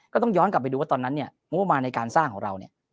ก็ต้องย้อนกลับไปดูว่าตอนนั้นเนี่ยงบประมาณในการสร้างของเราเนี่ย